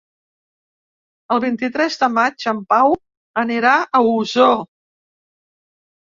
El vint-i-tres de maig en Pau anirà a Osor.